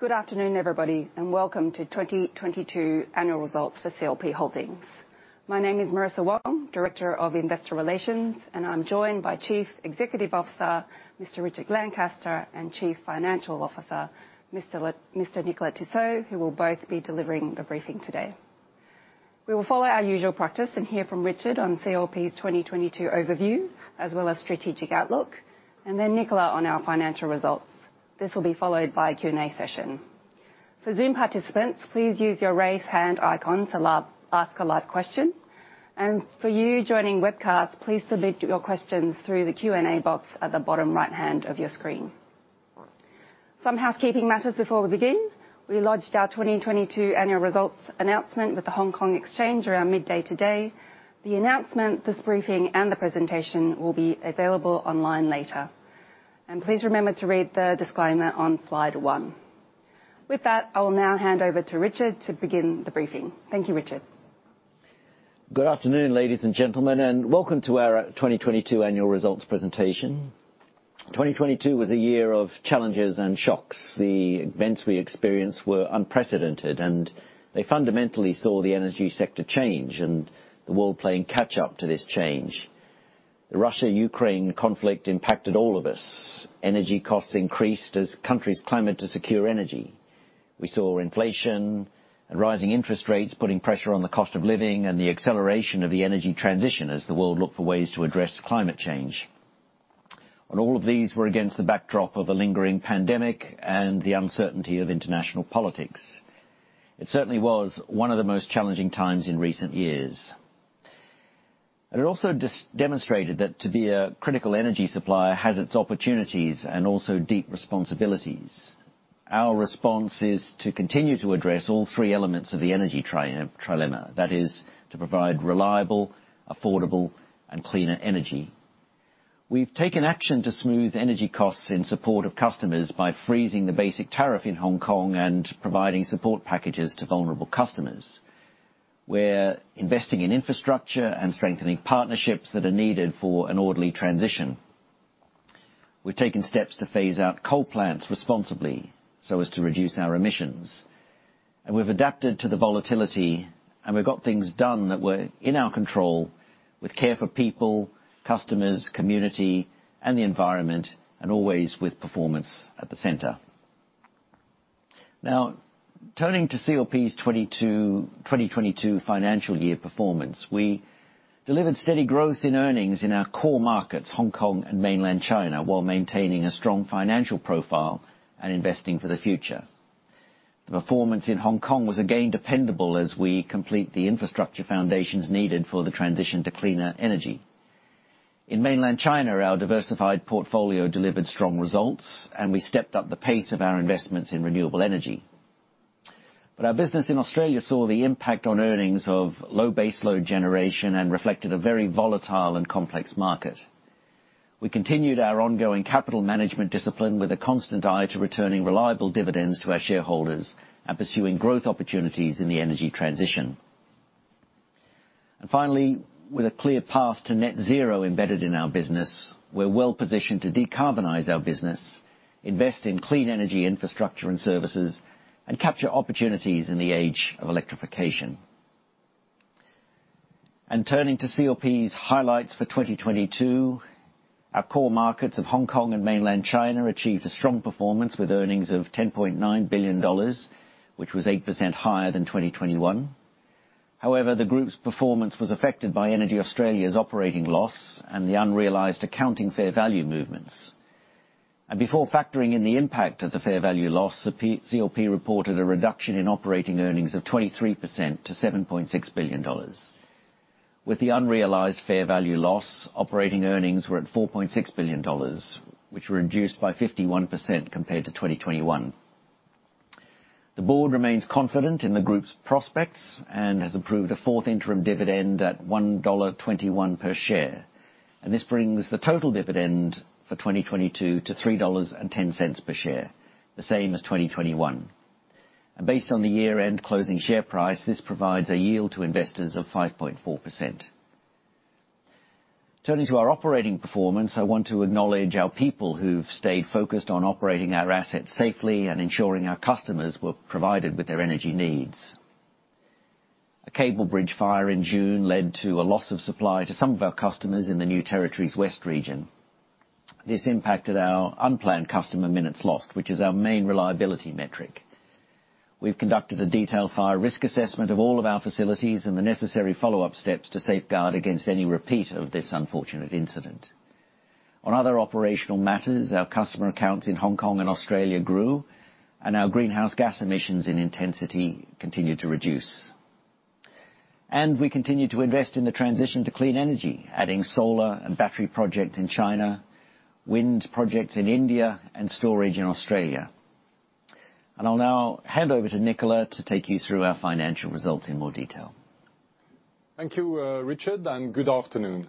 Good afternoon, everybody, welcome to 2022 annual results for CLP Holdings. My name is Marissa Wong, Director of Investor Relations, and I'm joined by Chief Executive Officer, Mr. Richard Lancaster, and Chief Financial Officer, Mr. Nicolas Tissot, who will both be delivering the briefing today. We will follow our usual practice and hear from Richard on CLP's 2022 overview, as well as strategic outlook, and then Nicolas on our financial results. This will be followed by a Q&A session. For Zoom participants, please use your raise hand icon to ask a live question. For you joining webcast, please submit your questions through the Q&A box at the bottom right-hand of your screen. Some housekeeping matters before we begin. We lodged our 2022 annual results announcement with the Hong Kong Exchange around midday today. The announcement, this briefing, and the presentation will be available online later. Please remember to read the disclaimer on slide one. With that, I will now hand over to Richard to begin the briefing. Thank you, Richard. Good afternoon, ladies and gentlemen, welcome to our 2022 annual results presentation. 2022 was a year of challenges and shocks. The events we experienced were unprecedented, they fundamentally saw the energy sector change and the world playing catch up to this change. The Russia-Ukraine conflict impacted all of us. Energy costs increased as countries climbed to secure energy. We saw inflation and rising interest rates putting pressure on the cost of living and the acceleration of the energy transition as the world looked for ways to address climate change. All of these were against the backdrop of a lingering pandemic and the uncertainty of international politics. It certainly was one of the most challenging times in recent years. It also demonstrated that to be a critical energy supplier has its opportunities and also deep responsibilities. Our response is to continue to address all three elements of the Energy Trilemma, that is, to provide reliable, affordable and cleaner energy. We've taken action to smooth energy costs in support of customers by freezing the basic tariff in Hong Kong and providing support packages to vulnerable customers. We're investing in infrastructure and strengthening partnerships that are needed for an orderly transition. We've taken steps to phase out coal plants responsibly so as to reduce our emissions. We've adapted to the volatility, and we've got things done that were in our control with care for people, customers, community and the environment, and always with performance at the center. Now, turning to CLP's 2022 financial year performance. We delivered steady growth in earnings in our core markets, Hong Kong and Mainland China, while maintaining a strong financial profile and investing for the future. The performance in Hong Kong was again dependable as we complete the infrastructure foundations needed for the transition to cleaner energy. In Mainland China, our diversified portfolio delivered strong results, and we stepped up the pace of our investments in renewable energy. Our business in Australia saw the impact on earnings of low baseload generation and reflected a very volatile and complex market. We continued our ongoing capital management discipline with a constant eye to returning reliable dividends to our shareholders and pursuing growth opportunities in the energy transition. Finally, with a clear path to net zero embedded in our business, we're well-positioned to decarbonize our business, invest in clean energy infrastructure and services, and capture opportunities in the age of electrification. Turning to CLP's highlights for 2022. Our core markets of Hong Kong and Mainland China achieved a strong performance with earnings of 10.9 billion dollars, which was 8% higher than 2021. The group's performance was affected by EnergyAustralia's operating loss and the unrealized accounting fair value movements. Before factoring in the impact of the fair value loss, CLP reported a reduction in operating earnings of 23% to 7.6 billion dollars. With the unrealized fair value loss, operating earnings were at 4.6 billion dollars, which were reduced by 51% compared to 2021. The board remains confident in the group's prospects and has approved a fourth interim dividend at 1.21 dollar per share. This brings the total dividend for 2022 to 3.10 dollars per share, the same as 2021. Based on the year-end closing share price, this provides a yield to investors of 5.4%. Turning to our operating performance, I want to acknowledge our people who've stayed focused on operating our assets safely and ensuring our customers were provided with their energy needs. A cable bridge fire in June led to a loss of supply to some of our customers in the New Territories West region. This impacted our unplanned customer minutes lost, which is our main reliability metric. We've conducted a detailed fire risk assessment of all of our facilities and the necessary follow-up steps to safeguard against any repeat of this unfortunate incident. On other operational matters, our customer accounts in Hong Kong and Australia grew, and our greenhouse gas emissions in intensity continued to reduce. We continued to invest in the transition to clean energy, adding solar and battery projects in China, wind projects in India, and storage in Australia. I'll now hand over to Nicolas to take you through our financial results in more detail. Thank you, Richard, and good afternoon.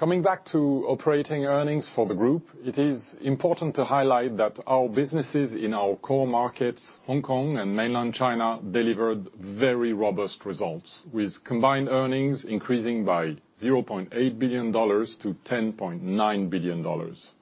Coming back to operating earnings for the group, it is important to highlight that our businesses in our core markets, Hong Kong and Mainland China, delivered very robust results, with combined earnings increasing by 0.8 billion dollars to 10.9 billion dollars.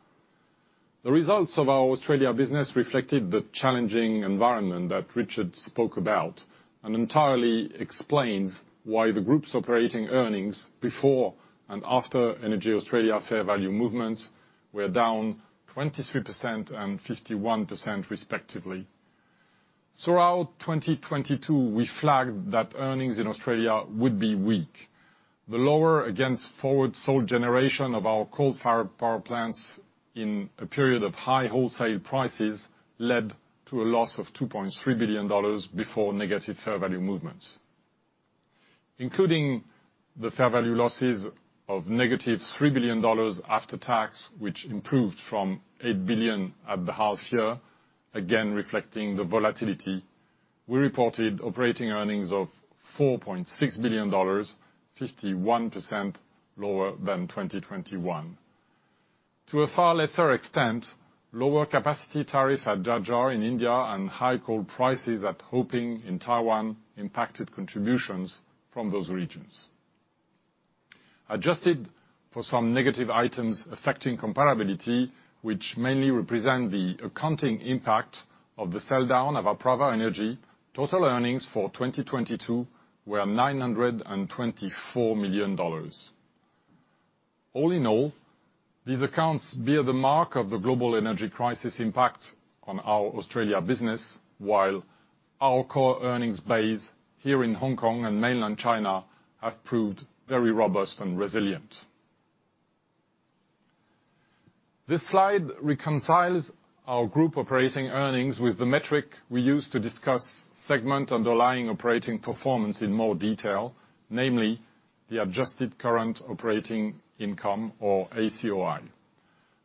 The results of our Australia business reflected the challenging environment that Richard spoke about, entirely explains why the group's operating earnings before and after EnergyAustralia fair value movements were down 23% and 51% respectively. Throughout 2022, we flagged that earnings in Australia would be weak. The lower against forward sold generation of our coal-fired power plants in a period of high wholesale prices led to a loss of 2.3 billion dollars before negative fair value movements. Including the fair value losses of -3 billion dollars after tax, which improved from 8 billion at the half year, again reflecting the volatility, we reported operating earnings of 4.6 billion dollars, 51% lower than 2021. To a far lesser extent, lower capacity tariffs at Jhajjar in India and high coal prices at Heping in Taiwan impacted contributions from those regions. Adjusted for some negative items affecting comparability, which mainly represent the accounting impact of the sell-down of Apraava Energy, total earnings for 2022 were 924 million dollars. All in all, these accounts bear the mark of the global energy crisis impact on our Australia business, while our core earnings base here in Hong Kong and Mainland China have proved very robust and resilient. This slide reconciles our group operating earnings with the metric we use to discuss segment underlying operating performance in more detail, namely, the adjusted current operating income, or ACOI.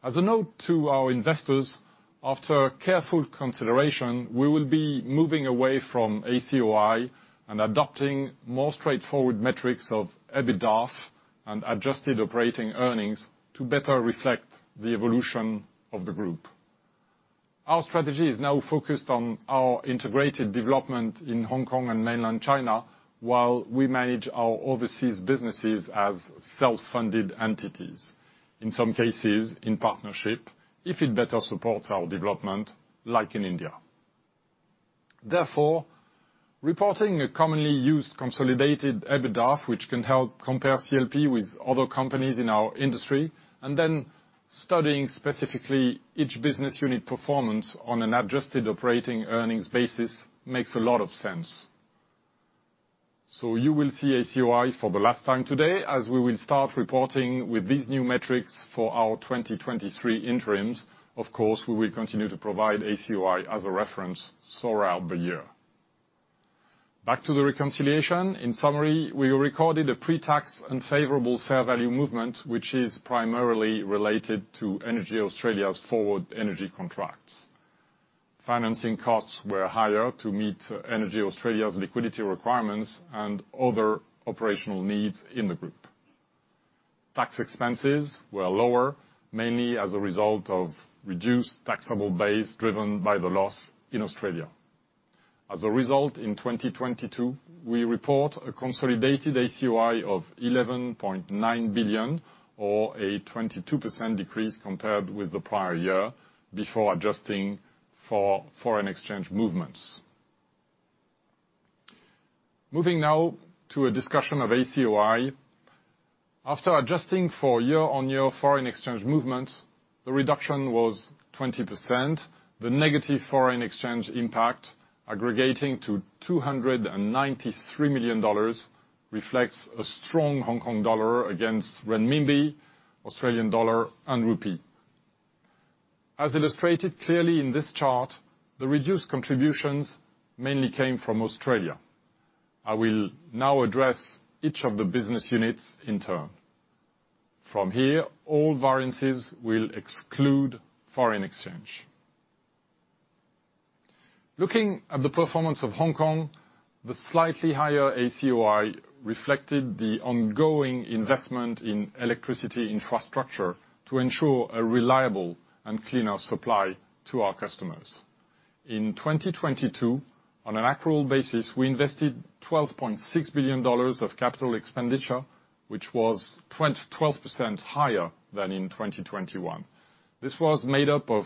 As a note to our investors, after careful consideration, we will be moving away from ACOI and adopting more straightforward metrics of EBITDA and adjusted operating earnings to better reflect the evolution of the group. Our strategy is now focused on our integrated development in Hong Kong and Mainland China, while we manage our overseas businesses as self-funded entities, in some cases, in partnership, if it better supports our development, like in India. Reporting a commonly used consolidated EBITDA, which can help compare CLP with other companies in our industry, and then studying specifically each business unit performance on an adjusted operating earnings basis makes a lot of sense. You will see ACOI for the last time today, as we will start reporting with these new metrics for our 2023 interims. Of course, we will continue to provide ACOI as a reference throughout the year. Back to the reconciliation. In summary, we recorded a pre-tax unfavorable fair value movement, which is primarily related to EnergyAustralia's forward energy contracts. Financing costs were higher to meet EnergyAustralia's liquidity requirements and other operational needs in the group. Tax expenses were lower, mainly as a result of reduced taxable base driven by the loss in Australia. In 2022, we report a consolidated ACOI of 11.9 billion, or a 22% decrease compared with the prior year, before adjusting for foreign exchange movements. Moving now to a discussion of ACOI. After adjusting for year-on-year foreign exchange movements, the reduction was 20%. The negative foreign exchange impact aggregating to 293 million dollars reflects a strong Hong Kong dollar against renminbi, Australian dollar, and rupee. Illustrated clearly in this chart, the reduced contributions mainly came from Australia. I will now address each of the business units in turn. From here, all variances will exclude foreign exchange. Looking at the performance of Hong Kong, the slightly higher ACOI reflected the ongoing investment in electricity infrastructure to ensure a reliable and cleaner supply to our customers. On an accrual basis, we invested 12.6 billion dollars of CapEx, which was 12% higher than in 2021. This was made up of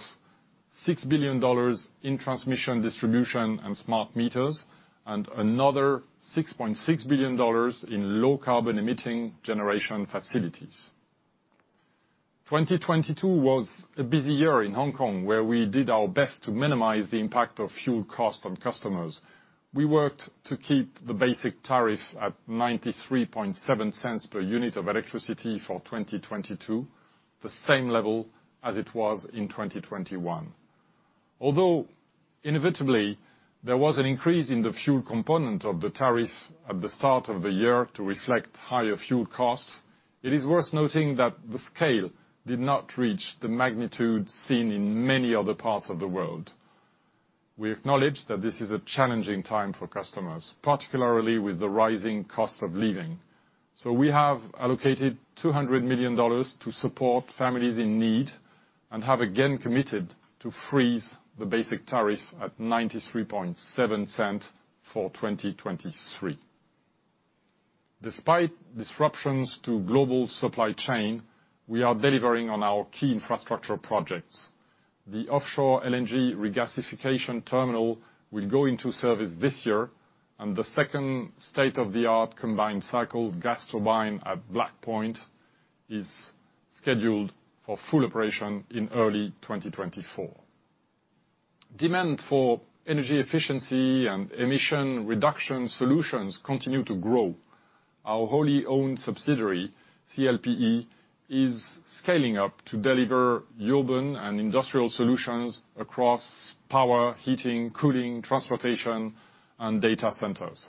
6 billion dollars in transmission, distribution, and smart meters, and another 6.6 billion dollars in low carbon-emitting generation facilities. 2022 was a busy year in Hong Kong, where we did our best to minimize the impact of fuel costs on customers. We worked to keep the basic tariff at 0.937 per unit of electricity for 2022, the same level as it was in 2021. Although inevitably, there was an increase in the fuel component of the tariff at the start of the year to reflect higher fuel costs, it is worth noting that the scale did not reach the magnitude seen in many other parts of the world. We acknowledge that this is a challenging time for customers, particularly with the rising cost of living, so we have allocated $200 million to support families in need, and have again committed to freeze the basic tariff at 0.937 for 2023. Despite disruptions to global supply chain, we are delivering on our key infrastructure projects. The offshore LNG regasification terminal will go into service this year, and the second state-of-the-art combined cycle gas turbine at Black Point is scheduled for full operation in early 2024. Demand for energy efficiency and emission reduction solutions continue to grow. Our wholly owned subsidiary, CLPe, is scaling up to deliver urban and industrial solutions across power, heating, cooling, transportation, and data centers.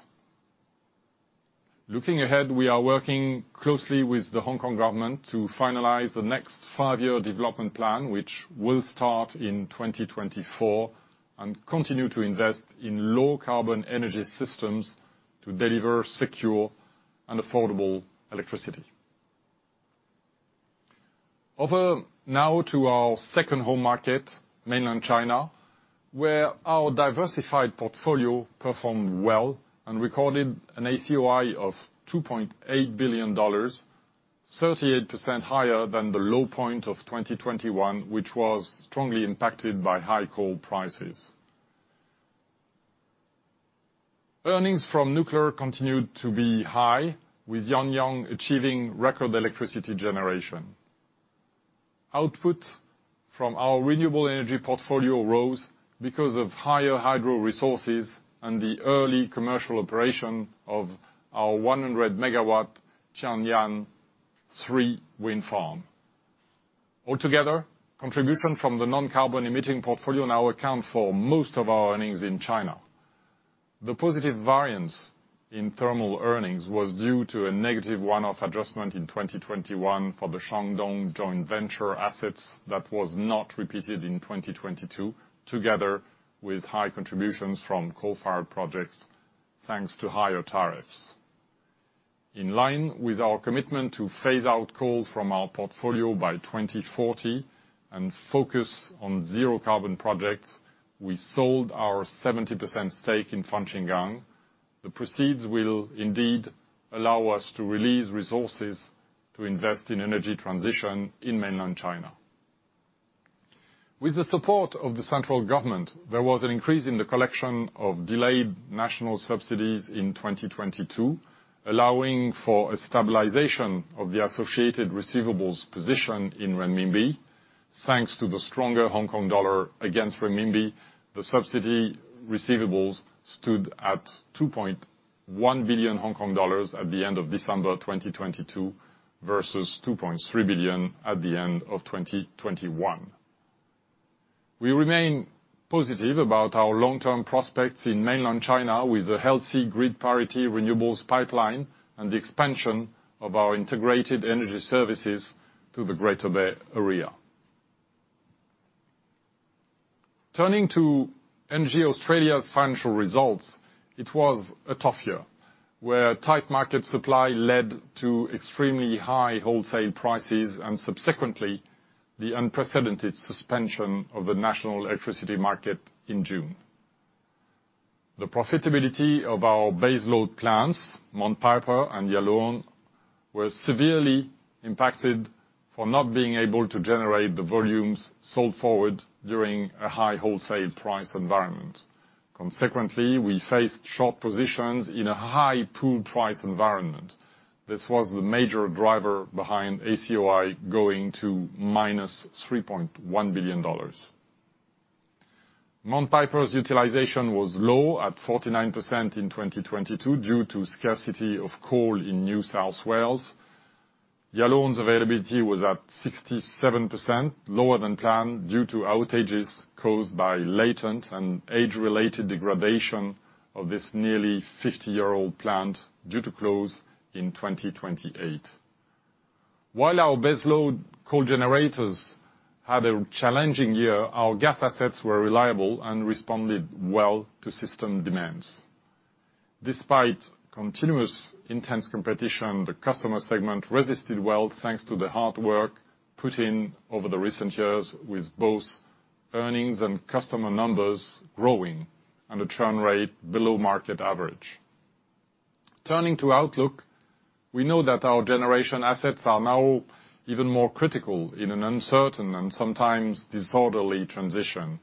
Looking ahead, we are working closely with the Hong Kong government to finalize the next five-year development plan, which will start in 2024 and continue to invest in low carbon energy systems to deliver secure and affordable electricity. Over now to our second home market, Mainland China, where our diversified portfolio performed well and recorded an ACOI of 2.8 billion dollars, 38% higher than the low point of 2021, which was strongly impacted by high coal prices. Earnings from nuclear continued to be high, with Yangjiang achieving record electricity generation. Output from our renewable energy portfolio rose because of higher hydro resources and the early commercial operation of our 100 MW Qian'an III wind farm. Altogether, contribution from the non-carbon emitting portfolio now account for most of our earnings in China. The positive variance in thermal earnings was due to a negative one-off adjustment in 2021 for the Shandong joint venture assets that was not repeated in 2022, together with high contributions from coal-fired projects, thanks to higher tariffs. In line with our commitment to phase out coal from our portfolio by 2040 and focus on zero carbon projects, we sold our 70% stake in Fangchenggang. The proceeds will indeed allow us to release resources to invest in energy transition in Mainland China. With the support of the central government, there was an increase in the collection of delayed national subsidies in 2022, allowing for a stabilization of the associated receivables position in renminbi. Thanks to the stronger HKD against renminbi, the subsidy receivables stood at 2.1 billion Hong Kong dollars at the end of December 2022 versus 2.3 billion at the end of 2021. We remain positive about our long-term prospects in Mainland China with a healthy grid parity renewables pipeline and the expansion of our integrated energy services to the Greater Bay Area. Turning to EnergyAustralia's financial results, it was a tough year, where tight market supply led to extremely high wholesale prices and subsequently the unprecedented suspension of the National Electricity Market in June. The profitability of our baseload plants, Mount Piper and Yallourn, were severely impacted for not being able to generate the volumes sold forward during a high wholesale price environment. Consequently, we faced short positions in a high pool price environment. This was the major driver behind ACOI going to -3.1 billion dollars. Mount Piper's utilization was low at 49% in 2022 due to scarcity of coal in New South Wales. Yallourn's availability was at 67%, lower than planned due to outages caused by latent and age-related degradation of this nearly 50-year-old plant due to close in 2028. While our baseload coal generators had a challenging year, our gas assets were reliable and responded well to system demands. Despite continuous intense competition, the customer segment resisted well, thanks to the hard work put in over the recent years, with both earnings and customer numbers growing and a churn rate below market average. Turning to outlook, we know that our generation assets are now even more critical in an uncertain and sometimes disorderly transition.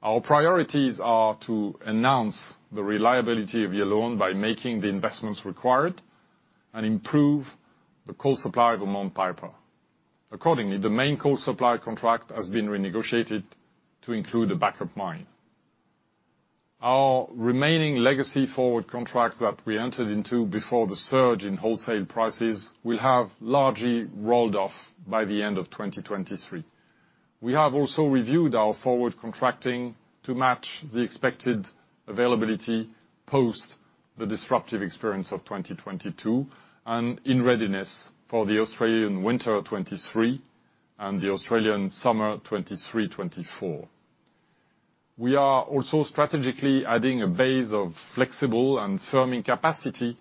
Our priorities are to announce the reliability of Yallourn by making the investments required and improve the coal supply of Mount Piper. The main coal supply contract has been renegotiated to include a backup mine. Our remaining legacy forward contracts that we entered into before the surge in wholesale prices will have largely rolled off by the end of 2023. We have also reviewed our forward contracting to match the expected availability post the disruptive experience of 2022 and in readiness for the Australian winter of 2023 and the Australian summer of 2023, 2024. We are also strategically adding a base of flexible and firming capacity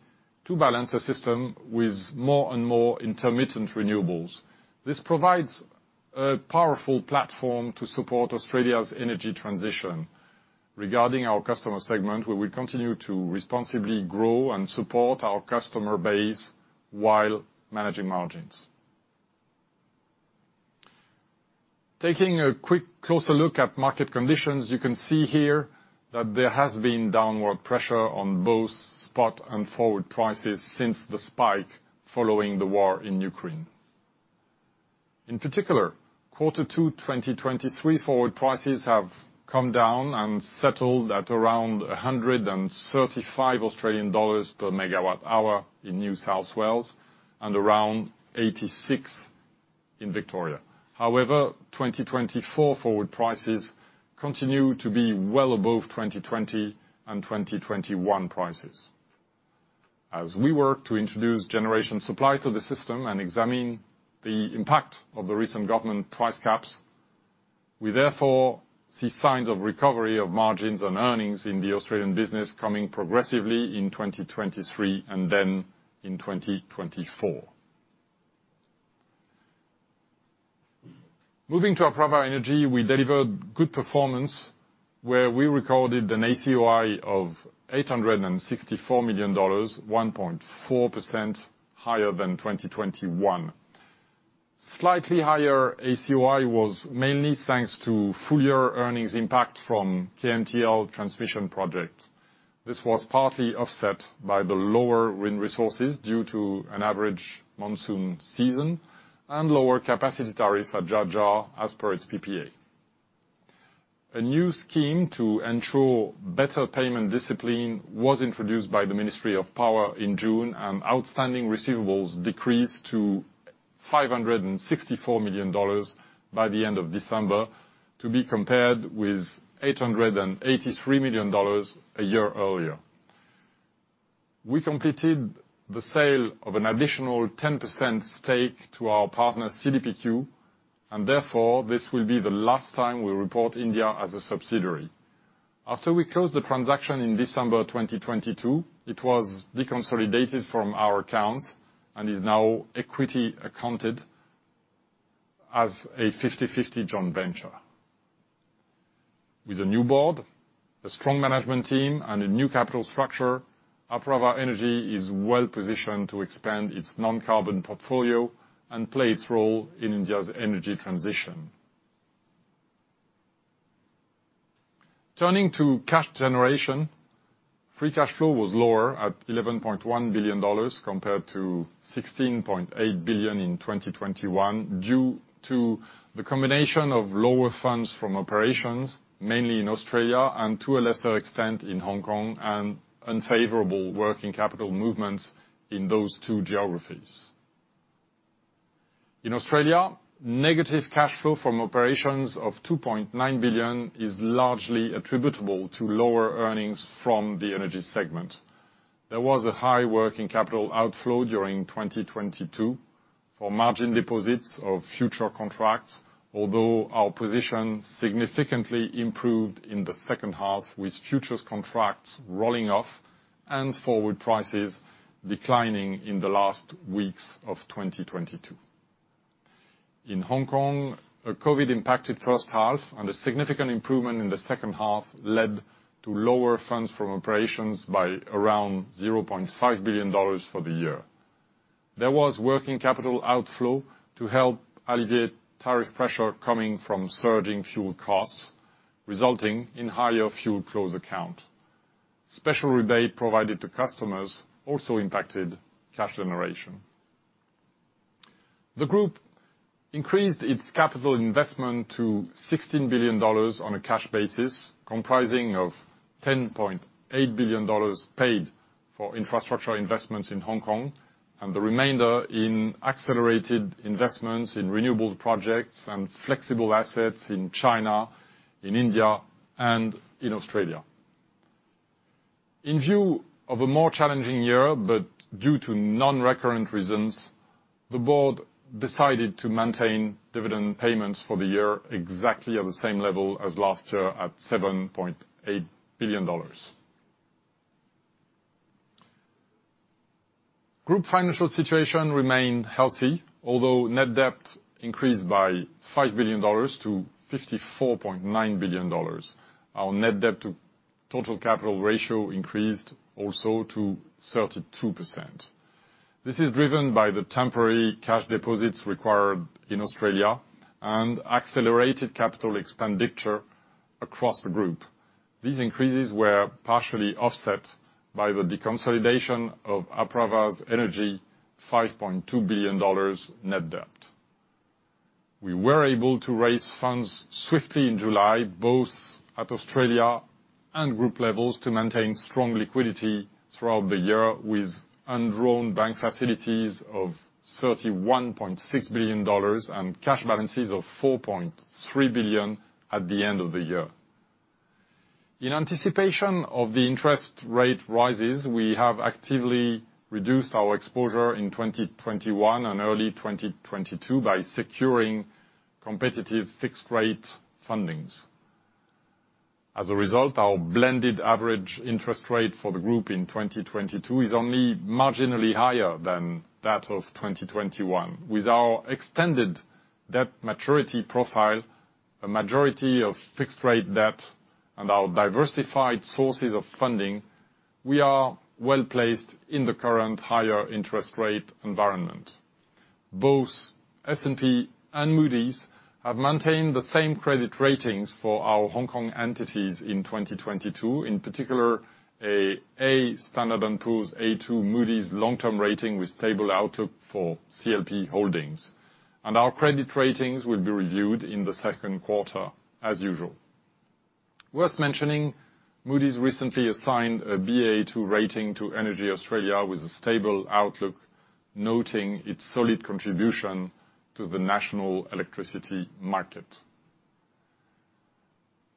to balance a system with more and more intermittent renewables. This provides a powerful platform to support Australia's energy transition. Regarding our customer segment, we will continue to responsibly grow and support our customer base while managing margins. Taking a quick, closer look at market conditions, you can see here that there has been downward pressure on both spot and forward prices since the spike following the war in Ukraine. In particular, quarter two 2023 forward prices have come down and settled at around 135 Australian dollars per MWh in New South Wales and around 86 in Victoria. However, 2024 forward prices continue to be well above 2020 and 2021 prices. As we work to introduce generation supply to the system and examine the impact of the recent government price caps, we therefore see signs of recovery of margins and earnings in the Australian business coming progressively in 2023 and then in 2024. Moving to Apraava Energy, we delivered good performance where we recorded an ACOI of 864 million dollars, 1.4% higher than 2021. Slightly higher ACOI was mainly thanks to full year earnings impact from KMTL transmission project. This was partly offset by the lower wind resources due to an average monsoon season and lower capacity tariff at Jhajjar as per its PPA. A new scheme to ensure better payment discipline was introduced by the Ministry of Power in June. Outstanding receivables decreased to 564 million dollars by the end of December, to be compared with 883 million dollars a year earlier. We completed the sale of an additional 10% stake to our partner, CDPQ. Therefore, this will be the last time we report India as a subsidiary. After we closed the transaction in December 2022, it was deconsolidated from our accounts and is now equity accounted as a 50/50 joint venture. With a new board, a strong management team, and a new capital structure, Apraava Energy is well-positioned to expand its non-carbon portfolio and play its role in India's energy transition. Turning to cash generation, free cash flow was lower at 11.1 billion dollars compared to 16.8 billion in 2021 due to the combination of lower funds from operations, mainly in Australia and to a lesser extent in Hong Kong, and unfavorable working capital movements in those two geographies. In Australia, negative cash flow from operations of 2.9 billion is largely attributable to lower earnings from the energy segment. There was a high working capital outflow during 2022 for margin deposits of future contracts, although our position significantly improved in the second half with futures contracts rolling off and forward prices declining in the last weeks of 2022. In Hong Kong, a COVID impacted first half and a significant improvement in the second half led to lower funds from operations by around 0.5 billion dollars for the year. There was working capital outflow to help alleviate tariff pressure coming from surging fuel costs, resulting in higher Fuel Clause Account. Special rebate provided to customers also impacted cash generation. The group increased its capital investment to 16 billion dollars on a cash basis, comprising of 10.8 billion dollars paid for infrastructure investments in Hong Kong and the remainder in accelerated investments in renewables projects and flexible assets in China, in India, and in Australia. In view of a more challenging year, due to non-recurrent reasons, the board decided to maintain dividend payments for the year exactly at the same level as last year at 7.8 billion dollars. Group financial situation remained healthy, although net debt increased by 5 billion dollars to 54.9 billion dollars. Our net debt to total capital ratio increased also to 32%. This is driven by the temporary cash deposits required in Australia and accelerated CapEx across the group. These increases were partially offset by the deconsolidation of Apraava's Energy 5.2 billion dollars net debt. We were able to raise funds swiftly in July, both at Australia and group levels, to maintain strong liquidity throughout the year with undrawn bank facilities of 31.6 billion dollars and cash balances of 4.3 billion at the end of the year. In anticipation of the interest rate rises, we have actively reduced our exposure in 2021 and early 2022 by securing competitive fixed rate fundings. As a result, our blended average interest rate for the group in 2022 is only marginally higher than that of 2021. With our extended debt maturity profile, a majority of fixed rate debt and our diversified sources of funding. We are well-placed in the current higher interest rate environment. Both S&P and Moody's have maintained the same credit ratings for our Hong Kong entities in 2022. In particular, A by Standard & Poor's, A2 by Moody's long-term rating with stable outlook for CLP Holdings. Our credit ratings will be reviewed in the second quarter as usual. Worth mentioning, Moody's recently assigned a Baa2 rating to EnergyAustralia with a stable outlook, noting its solid contribution to the National Electricity Market.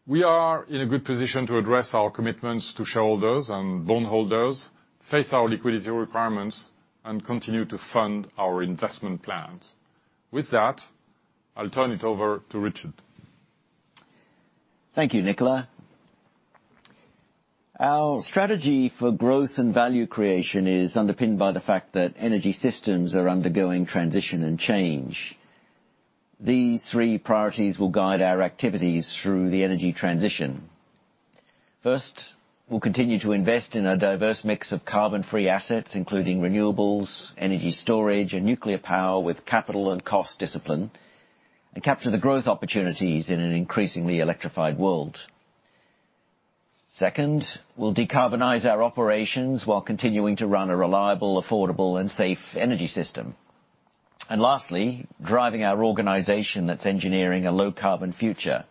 We are in a good position to address our commitments to shareholders and bondholders, face our liquidity requirements, and continue to fund our investment plans. With that, I'll turn it over to Richard. Thank you, Nicolas. Our strategy for growth and value creation is underpinned by the fact that energy systems are undergoing transition and change. These three priorities will guide our activities through the energy transition. First, we'll continue to invest in a diverse mix of carbon-free assets, including renewables, energy storage, and nuclear power with capital and cost discipline, and capture the growth opportunities in an increasingly electrified world. Second, we'll decarbonize our operations while continuing to run a reliable, affordable, and safe energy system. Lastly, driving our organization that's engineering a low-carbon future.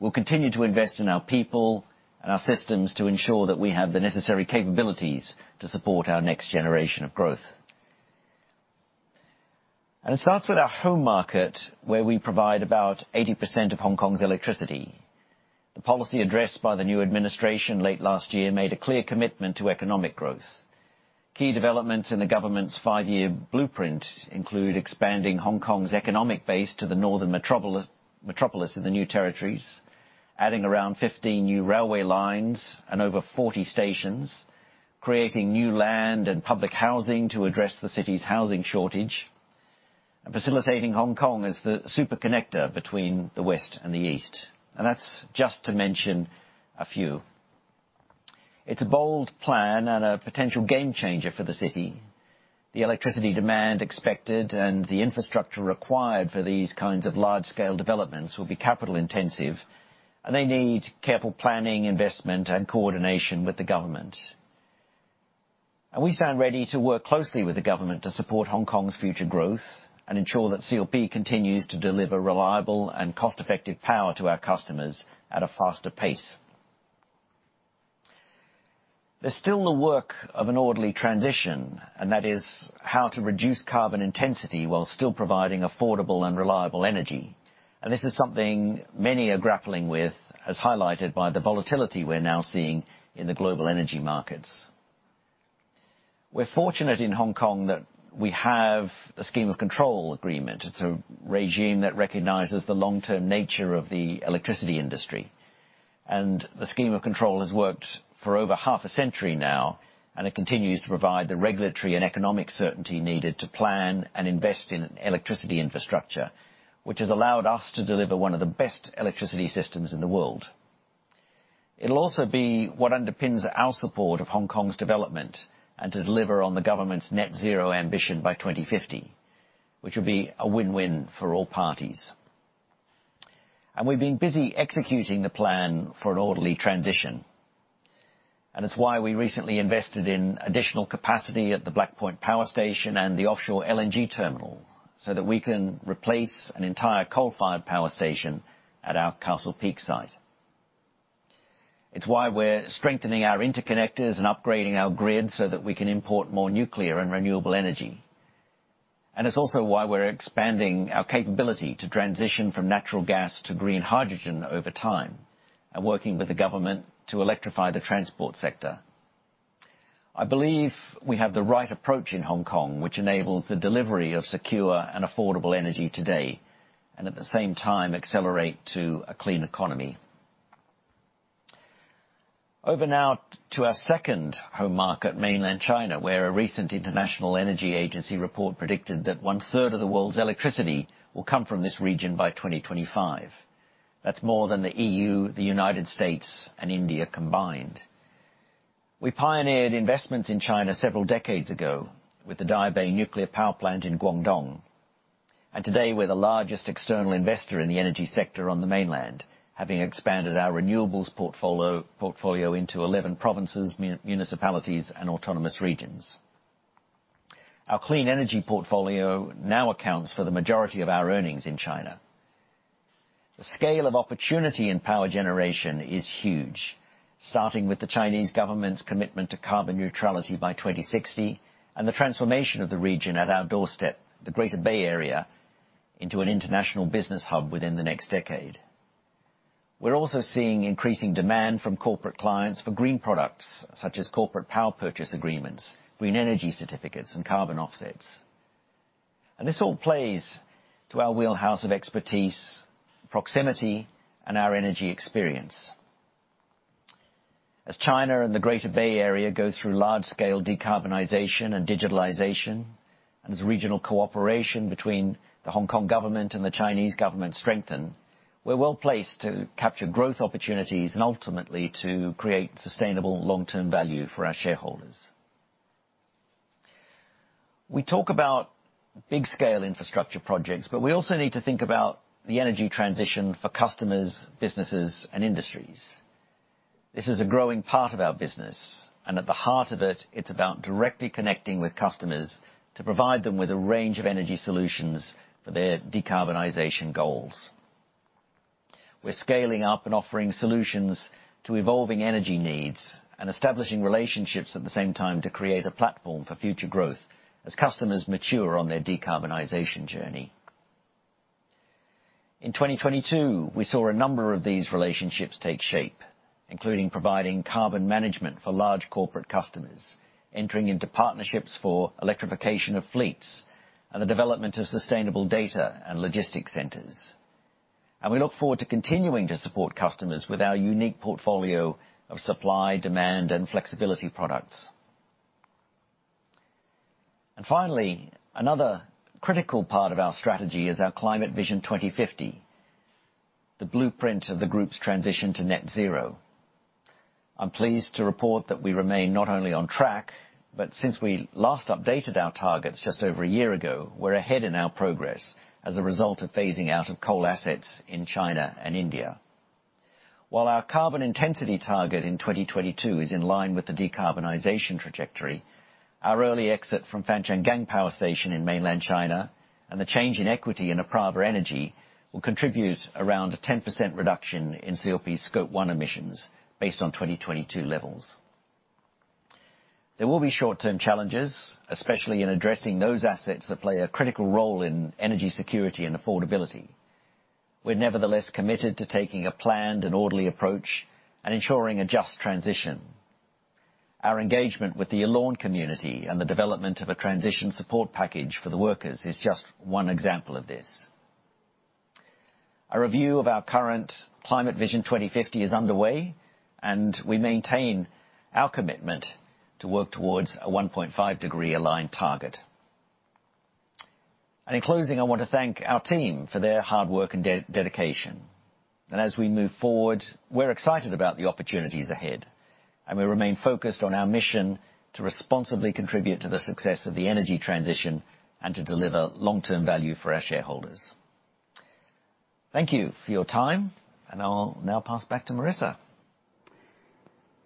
We'll continue to invest in our people and our systems to ensure that we have the necessary capabilities to support our next generation of growth. It starts with our home market, where we provide about 80% of Hong Kong's electricity. The policy address by the new administration late last year made a clear commitment to economic growth. Key developments in the government's five-year blueprint include expanding Hong Kong's economic base to the Northern Metropolis in the new territories, adding around 15 new railway lines and over 40 stations, creating new land and public housing to address the city's housing shortage, and facilitating Hong Kong as the super connector between the West and the East. That's just to mention a few. It's a bold plan and a potential game changer for the city. The electricity demand expected and the infrastructure required for these kinds of large-scale developments will be capital intensive, and they need careful planning, investment, and coordination with the government. We stand ready to work closely with the government to support Hong Kong's future growth and ensure that CLP continues to deliver reliable and cost-effective power to our customers at a faster pace. There's still the work of an orderly transition, and that is how to reduce carbon intensity while still providing affordable and reliable energy. This is something many are grappling with, as highlighted by the volatility we're now seeing in the global energy markets. We're fortunate in Hong Kong that we have a Scheme of Control Agreement. It's a regime that recognizes the long-term nature of the electricity industry. The Scheme of Control has worked for over half a century now, and it continues to provide the regulatory and economic certainty needed to plan and invest in electricity infrastructure, which has allowed us to deliver one of the best electricity systems in the world. It'll also be what underpins our support of Hong Kong's development and to deliver on the government's net zero ambition by 2050, which will be a win-win for all parties. We've been busy executing the plan for an orderly transition, and it's why we recently invested in additional capacity at the Black Point Power Station and the offshore LNG terminal, so that we can replace an entire coal-fired power station at our Castle Peak site. It's why we're strengthening our interconnectors and upgrading our grid so that we can import more nuclear and renewable energy. It's also why we're expanding our capability to transition from natural gas to green hydrogen over time, and working with the government to electrify the transport sector. I believe we have the right approach in Hong Kong, which enables the delivery of secure and affordable energy today, at the same time accelerate to a clean economy. Over now to our second home market, Mainland China, where a recent International Energy Agency report predicted that 1/3 of the world's electricity will come from this region by 2025. That's more than the EU, the United States, and India combined. We pioneered investments in China several decades ago with the Daya Bay Nuclear Power Plant in Guangdong. Today, we're the largest external investor in the energy sector on the Mainland, having expanded our renewables portfolio into 11 provinces, municipalities, and autonomous regions. Our clean energy portfolio now accounts for the majority of our earnings in China. The scale of opportunity in power generation is huge, starting with the Chinese government's commitment to carbon neutrality by 2060 and the transformation of the region at our doorstep, the Greater Bay Area, into an international business hub within the next decade. We're also seeing increasing demand from corporate clients for green products such as corporate power purchase agreements, green energy certificates, and carbon offsets. This all plays to our wheelhouse of expertise, proximity, and our energy experience. As China and the Greater Bay Area go through large-scale decarbonization and digitalization. As regional cooperation between the Hong Kong government and the Chinese government strengthen, we're well-placed to capture growth opportunities and ultimately to create sustainable long-term value for our shareholders. We talk about big scale infrastructure projects, but we also need to think about the energy transition for customers, businesses, and industries. This is a growing part of our business, and at the heart of it's about directly connecting with customers to provide them with a range of energy solutions for their decarbonization goals. We're scaling up and offering solutions to evolving energy needs and establishing relationships at the same time to create a platform for future growth as customers mature on their decarbonization journey. In 2022, we saw a number of these relationships take shape, including providing carbon management for large corporate customers, entering into partnerships for electrification of fleets, and the development of sustainable data and logistics centers. We look forward to continuing to support customers with our unique portfolio of supply, demand, and flexibility products. Finally, another critical part of our strategy is our Climate Vision 2050, the blueprint of the group's transition to net zero. I'm pleased to report that we remain not only on track, but since we last updated our targets just over a year ago, we're ahead in our progress as a result of phasing out of coal assets in China and India. While our carbon intensity target in 2022 is in line with the decarbonization trajectory, our early exit from Fangchenggang Power Station in Mainland China and the change in equity in Apraava Energy will contribute around a 10% reduction in CLP Scope 1 emissions based on 2022 levels. There will be short-term challenges, especially in addressing those assets that play a critical role in energy security and affordability. We're nevertheless committed to taking a planned and orderly approach and ensuring a just transition. Our engagement with the Yallourn community and the development of a transition support package for the workers is just one example of this. A review of our current Climate Vision 2050 is underway. We maintain our commitment to work towards a 1.5 degree aligned target. In closing, I want to thank our team for their hard work and dedication. As we move forward, we're excited about the opportunities ahead, and we remain focused on our mission to responsibly contribute to the success of the energy transition and to deliver long-term value for our shareholders. Thank you for your time, and I'll now pass back to Marissa.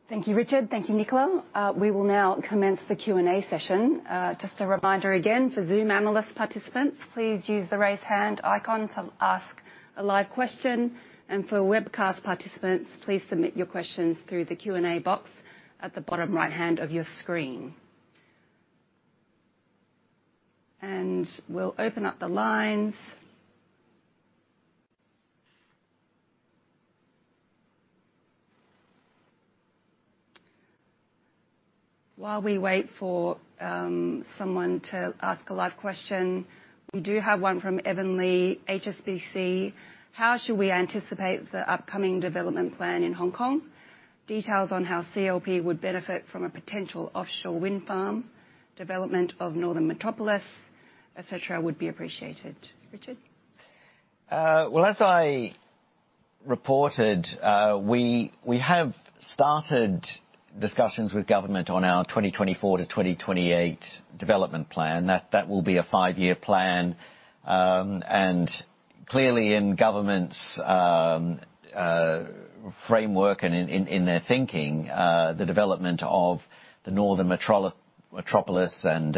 Thank you, Richard. Thank you, Nicolas. We will now commence the Q&A session. Just a reminder again for Zoom analyst participants, please use the raise hand icon to ask a live question. For webcast participants, please submit your questions through the Q&A box at the bottom right-hand of your screen. We'll open up the lines. While we wait for someone to ask a live question, we do have one from Evan Li, HSBC. How should we anticipate the upcoming development plan in Hong Kong? Details on how CLP would benefit from a potential offshore wind farm, development of Northern Metropolis, et cetera, would be appreciated. Richard. Well, as I reported, we have started discussions with government on our 2024-2028 development plan. That will be a five-year plan. Clearly in government's framework and in their thinking, the development of the Northern Metropolis and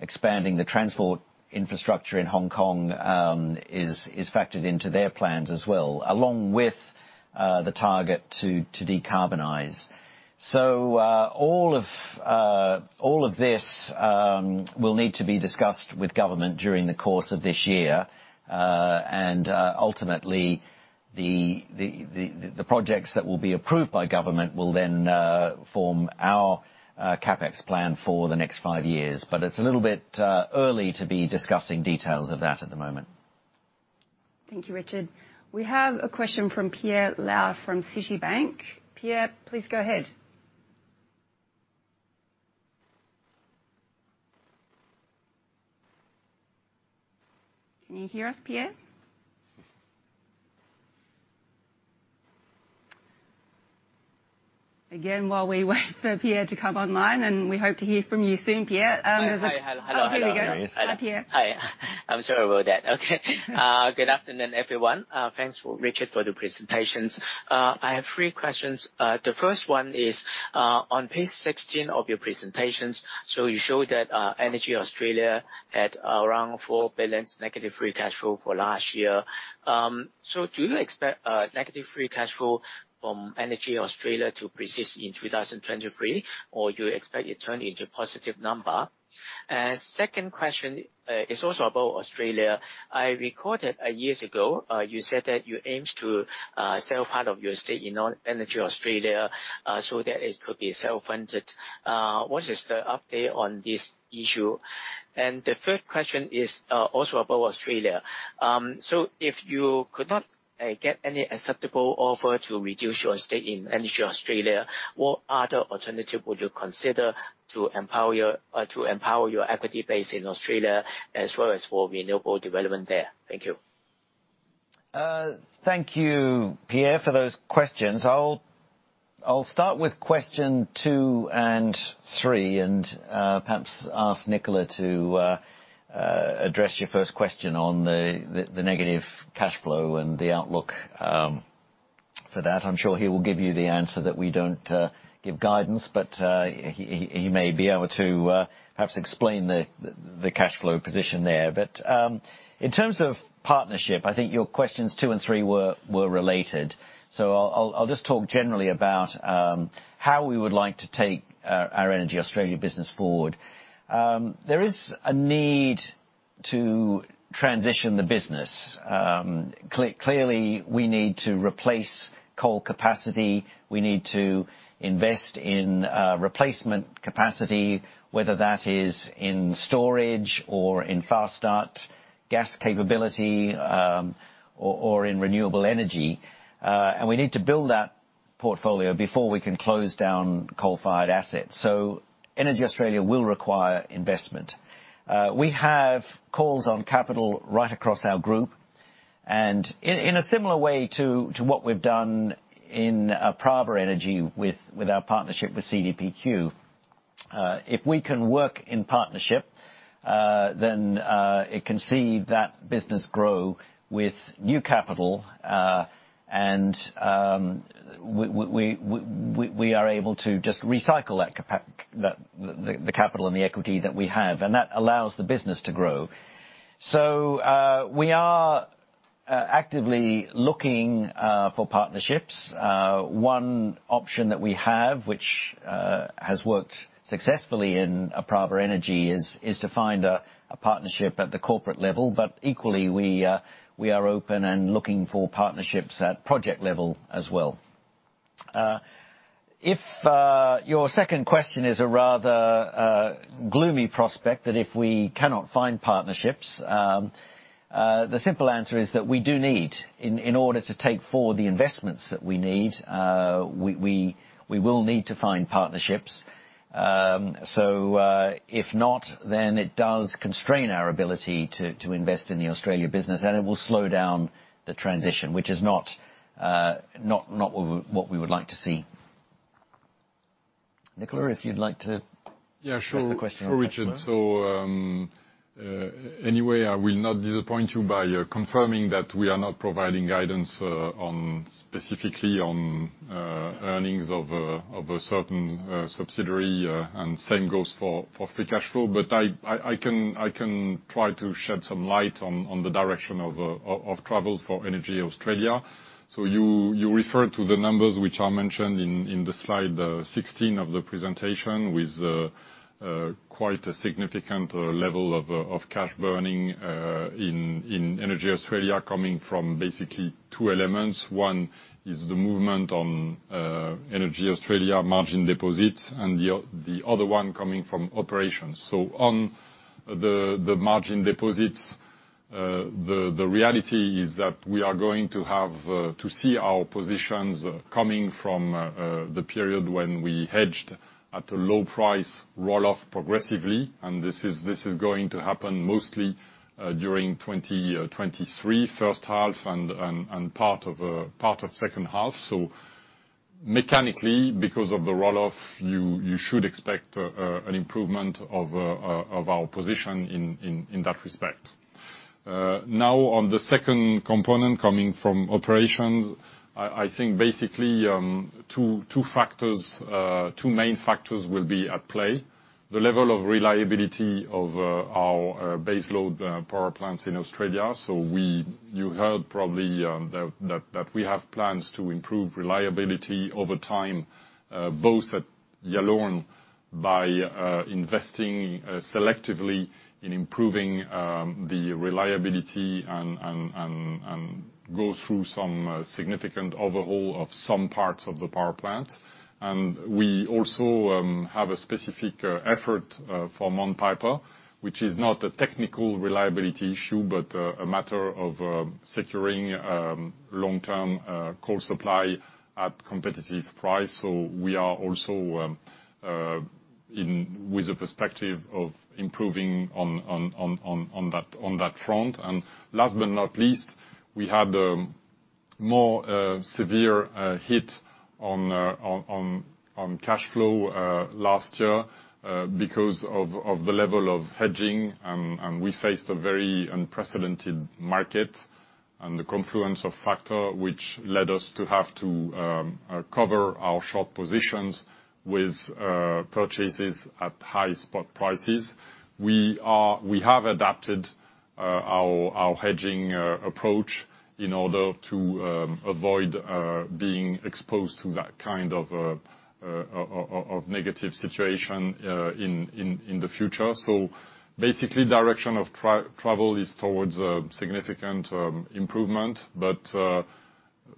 expanding the transport infrastructure in Hong Kong is factored into their plans as well, along with the target to decarbonize. All of this will need to be discussed with government during the course of this year. Ultimately, the projects that will be approved by government will then form our CapEx plan for the next five years. It's a little bit early to be discussing details of that at the moment. Thank you, Richard. We have a question from Pierre Lau from Citibank. Pierre, please go ahead. Can you hear us, Pierre? Again, while we wait for Pierre to come online, and we hope to hear from you soon, Pierre. Hi. Hello. Here we go. There he is. Hi, Pierre. Hi. I'm sorry about that. Okay. Good afternoon, everyone. Thanks for Richard for the presentations. I have three questions. The first one is on page 16 of your presentations. You show that EnergyAustralia had around 4 billion negative free cash flow for last year. Do you expect negative free cash flow from EnergyAustralia to persist in 2023, or you expect it turn into positive number? Second question is also about Australia. I recorded a years ago, you said that you aims to sell part of your estate in EnergyAustralia, so that it could be self-funded. What is the update on this issue? The third question is also about Australia. If you could not get any acceptable offer to reduce your estate in EnergyAustralia, what other alternative would you consider to empower your equity base in Australia as well as for renewable development there? Thank you. Thank you, Pierre, for those questions. I'll start with question two and three, perhaps ask Nicolas to address your first question on the negative cash flow and the outlook for that. I'm sure he will give you the answer that we don't give guidance, but he may be able to perhaps explain the cash flow position there. In terms of partnership, I think your questions two and three were related. I'll just talk generally about how we would like to take our EnergyAustralia business forward. There is a need to transition the business. Clearly, we need to replace coal capacity. We need to invest in replacement capacity, whether that is in storage or in fast start gas capability, or in renewable energy. We need to build that portfolio before we can close down coal-fired assets. Energy Australia will require investment. We have calls on capital right across our group. In a similar way to what we've done in Apraava Energy with our partnership with CDPQ, if we can work in partnership, then, it can see that business grow with new capital. We are able to just recycle that capital and the equity that we have, and that allows the business to grow. We are actively looking for partnerships. One option that we have, which has worked successfully in Apraava Energy is to find a partnership at the corporate level. Equally, we are open and looking for partnerships at project level as well. If your second question is a rather gloomy prospect that if we cannot find partnerships, the simple answer is that we do need in order to take forward the investments that we need, we will need to find partnerships. If not, then it does constrain our ability to invest in the Australia business, and it will slow down the transition, which is not what we would like to see. Nicolas- Yeah, sure.... address the question on cash flow. Sure. Sure. Anyway, I will not disappoint you by confirming that we are not providing guidance on specifically on earnings of a certain subsidiary and same goes for free cash flow. But I can try to shed some light on the direction of travel for EnergyAustralia. You referred to the numbers which are mentioned in the slide 16 of the presentation with quite a significant level of cash burning in EnergyAustralia coming from basically two elements. One is the movement on EnergyAustralia margin deposits, and the other one coming from operations. On the margin deposits, the reality is that we are going to have to see our positions coming from the period when we hedged at a low price roll-off progressively, and this is going to happen mostly during 2023 first half and part of second half. Mechanically, because of the roll-off, you should expect an improvement of our position in that respect. Now on the second component coming from operations, I think basically, two factors, two main factors will be at play. The level of reliability of our base load power plants in Australia. You heard probably that we have plans to improve reliability over time, both at Yallourn by investing selectively in improving the reliability and go through some significant overhaul of some parts of the power plant. We also have a specific effort for Mount Piper, which is not a technical reliability issue, but a matter of securing long-term coal supply at competitive price. We are also in with a perspective of improving on that front. Last but not least, we had a more severe hit on cash flow last year because of the level of hedging. We faced a very unprecedented market and the confluence of factor which led us to have to cover our short positions with purchases at high spot prices. We have adapted our hedging approach in order to avoid being exposed to that kind of negative situation in the future. Basically, direction of travel is towards a significant improvement, but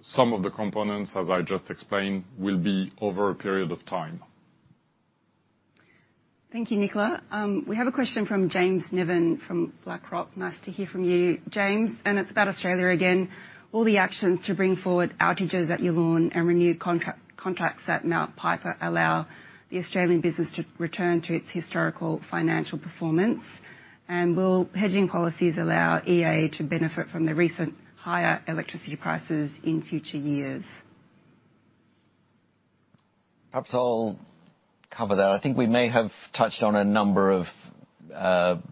some of the components, as I just explained, will be over a period of time. Thank you, Nicolas. We have a question from James Nevin from BlackRock. Nice to hear from you, James, it's about Australia again. Will the actions to bring forward outages at Yallourn and renew contracts at Mount Piper allow the Australian business to return to its historical financial performance? Will hedging policies allow EnergyAustralia to benefit from the recent higher electricity prices in future years? Perhaps I'll cover that. I think we may have touched on a number of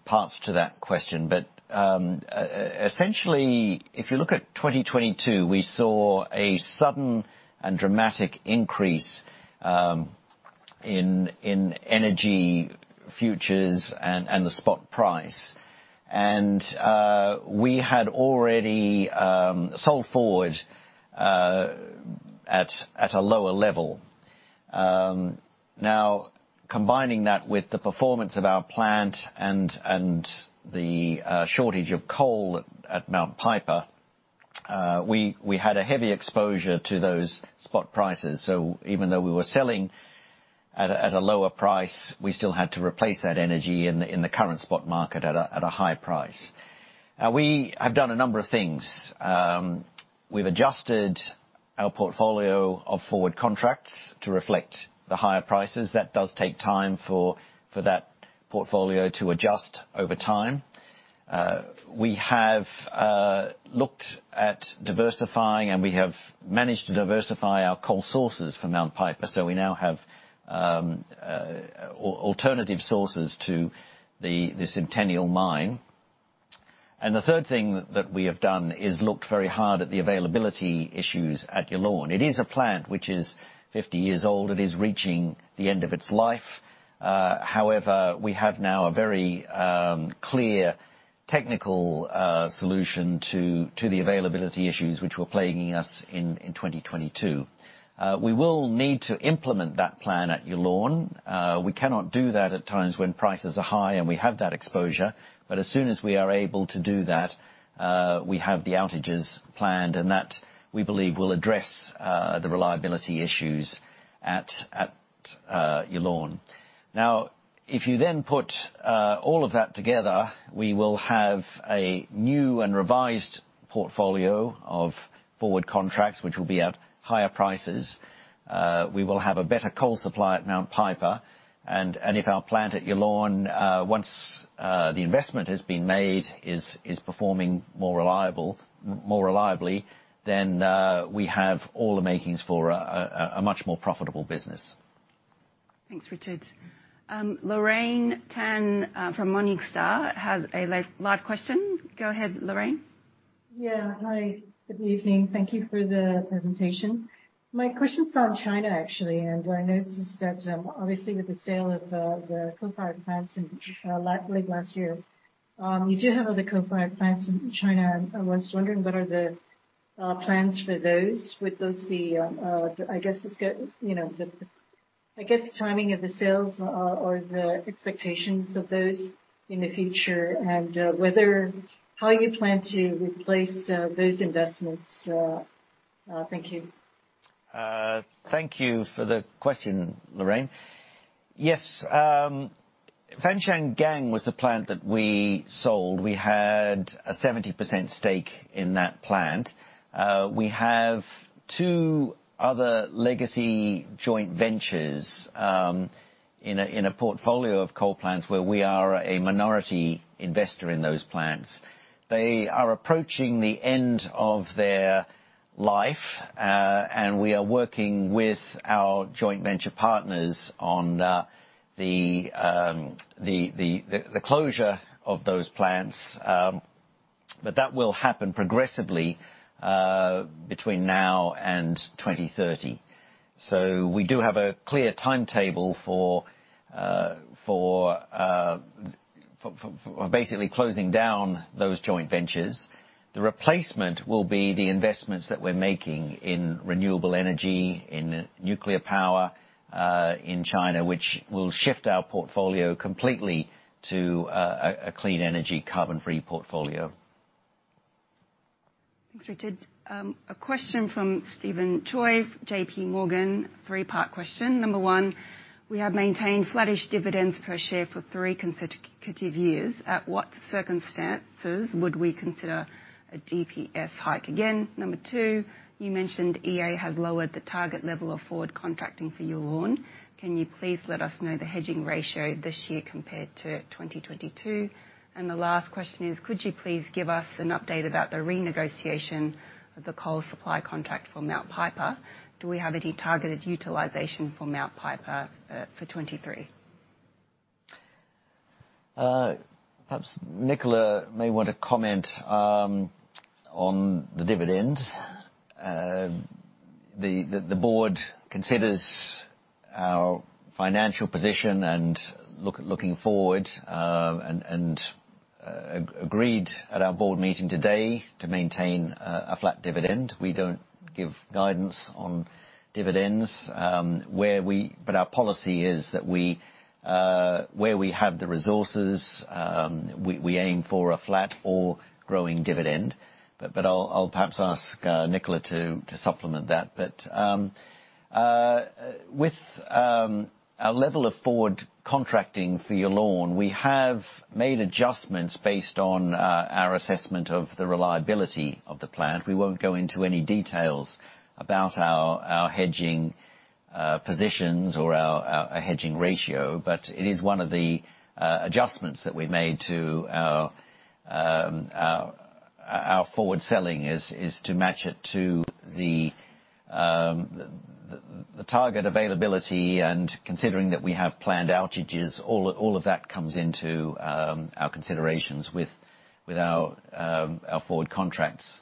parts to that question. Essentially, if you look at 2022, we saw a sudden and dramatic increase in energy futures and the spot price. We had already sold forward at a lower level. Now combining that with the performance of our plant and the shortage of coal at Mount Piper, we had a heavy exposure to those spot prices. Even though we were selling at a lower price, we still had to replace that energy in the current spot market at a high price. We have done a number of things. We've adjusted our portfolio of forward contracts to reflect the higher prices. That does take time for that portfolio to adjust over time. We have looked at diversifying, and we have managed to diversify our coal sources for Mount Piper, so we now have alternative sources to the Centennial mine. The third thing that we have done is looked very hard at the availability issues at Yallourn. It is a plant which is 50 years old. It is reaching the end of its life. However, we have now a very clear technical solution to the availability issues which were plaguing us in 2022. We will need to implement that plan at Yallourn. We cannot do that at times when prices are high, and we have that exposure. As soon as we are able to do that, we have the outages planned, and that, we believe, will address the reliability issues at Yallourn. If you then put all of that together, we will have a new and revised portfolio of forward contracts which will be at higher prices. We will have a better coal supply at Mount Piper. If our plant at Yallourn, once the investment has been made, is performing more reliably, we have all the makings for a much more profitable business. Thanks, Richard. Lorraine Tan, from Morningstar has a live question. Go ahead, Lorraine. Yeah. Hi, good evening. Thank you for the presentation. My question's on China, actually. I noticed that, obviously with the sale of the coal-fired plants in late last year, you do have other coal-fired plants in China. I was wondering, what are the plans for those? Would those be, I guess you know, the, I guess, the timing of the sales or the expectations of those in the future and how you plan to replace those investments? Thank you. Thank you for the question, Lorraine. Yes, Fangchenggang was a plant that we sold. We had a 70% stake in that plant. We have two other legacy joint ventures in a portfolio of coal plants where we are a minority investor in those plants. They are approaching the end of their life, and we are working with our joint venture partners on the closure of those plants. That will happen progressively between now and 2030. We do have a clear timetable for basically closing down those joint ventures. The replacement will be the investments that we're making in renewable energy, in nuclear power in China, which will shift our portfolio completely to a clean energy carbon-free portfolio. Thanks, Richard. A question from Stephen Tsui, J.P. Morgan, three-part question. Number one, we have maintained flattish dividends per share for three consecutive years. At what circumstances would we consider a DPS hike again? Number two, you mentioned EnergyAustralia has lowered the target level of forward contracting for Yallourn. Can you please let us know the hedging ratio this year compared to 2022? The last question is, could you please give us an update about the renegotiation of the coal supply contract for Mount Piper? Do we have any targeted utilization for Mount Piper for 2023? Perhaps Nicolas may want to comment on the dividend. The board considers our financial position and looking forward, and agreed at our board meeting today to maintain a flat dividend. We don't give guidance on dividends, but our policy is that we, where we have the resources, we aim for a flat or growing dividend. I'll perhaps ask Nicolas to supplement that. With our level of forward contracting for Yallourn, we have made adjustments based on our assessment of the reliability of the plant. We won't go into any details about our hedging positions or our hedging ratio, but it is one of the adjustments that we've made to our forward selling is to match it to the target availability and considering that we have planned outages, all of that comes into our considerations with our forward contracts.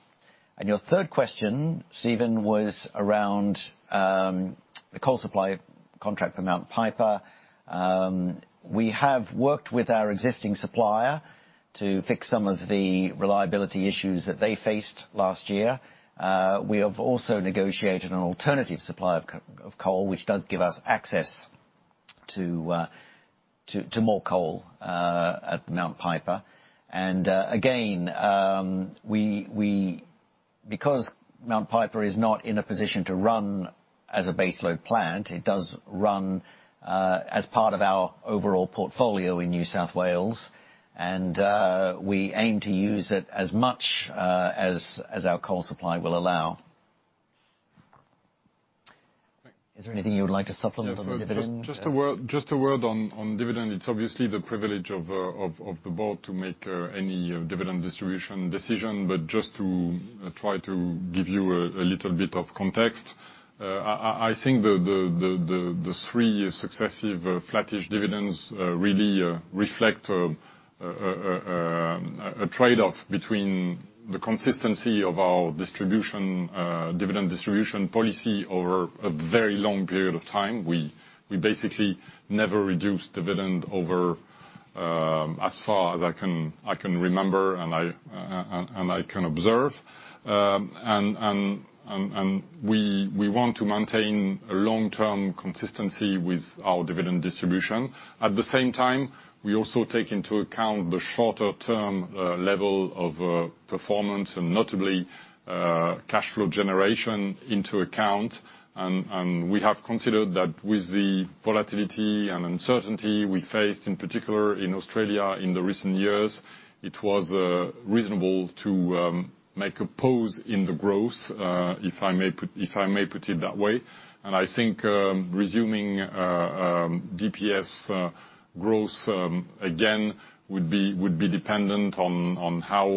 Your third question, Stephen, was around the coal supply contract for Mount Piper. We have worked with our existing supplier to fix some of the reliability issues that they faced last year. We have also negotiated an alternative supply of coal, which does give us access to more coal at Mount Piper. Again, because Mount Piper is not in a position to run as a baseload plant, it does run as part of our overall portfolio in New South Wales, and we aim to use it as much as our coal supply will allow. Is there anything you would like to supplement on the dividend? Yes. Just a word on dividend. It's obviously the privilege of the Board to make any dividend distribution decision. Just to try to give you a little bit of context, I think the three successive flattish dividends really reflect a trade-off between the consistency of our distribution dividend distribution policy over a very long period of time. We basically never reduced dividend over as far as I can remember and I can observe. We want to maintain a long-term consistency with our dividend distribution. At the same time, we also take into account the shorter-term level of performance and notably cash flow generation into account. We have considered that with the volatility and uncertainty we faced, in particular in Australia in the recent years, it was reasonable to make a pause in the growth, if I may put it that way. I think, resuming DPS growth again would be dependent on how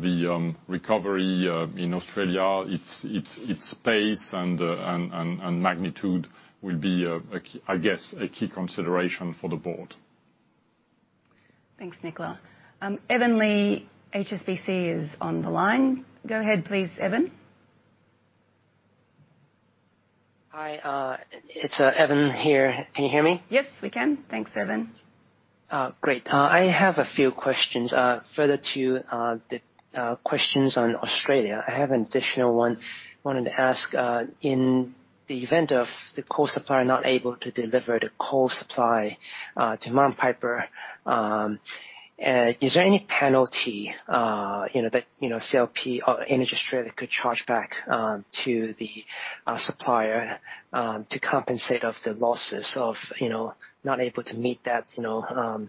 the recovery in Australia, its pace and magnitude will be I guess, a key consideration for the Board. Thanks, Nicolas. Evan Li, HSBC is on the line. Go ahead, please, Evan. Hi, it's Evan here. Can you hear me? Yes, we can. Thanks, Evan. Great. I have a few questions. Further to the questions on Australia, I have an additional one. Wanted to ask, in the event of the coal supplier not able to deliver the coal supply to Mount Piper, is there any penalty, you know, that, you know, CLP or EnergyAustralia could charge back to the supplier to compensate of the losses of, you know, not able to meet that, you know,